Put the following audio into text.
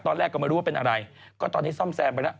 ตอนแรกก็ไม่รู้ว่าเป็นอะไรก็ตอนนี้ซ่อมแซมไปแล้ว